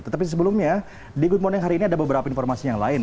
tetapi sebelumnya di good morning hari ini ada beberapa informasi yang lain